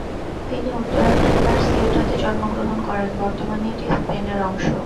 তিনি উত্তর আফ্রিকার সিউটাতে জন্মগ্রহণ করেন; বর্তমানে এটি স্পেনের অংশ।